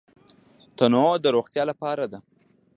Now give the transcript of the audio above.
تنوع د روغتیا لپاره ده.